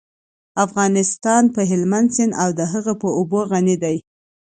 افغانستان په هلمند سیند او د هغې په اوبو غني دی.